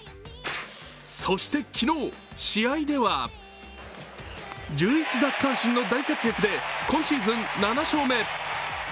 そして昨日、試合では１１奪三振の大活躍で今シーズン７勝目。